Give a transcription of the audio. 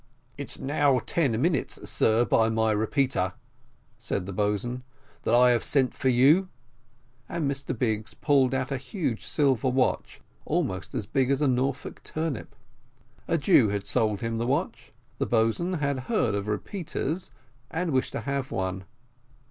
"It's now ten minutes, sir, by my repeater," said the boatswain, "that I have sent for you;" and Mr Biggs pulled out a huge silver watch, almost as big as a Norfolk turnip. A Jew had sold him the watch; the boatswain had heard of repeaters, and wished to have one.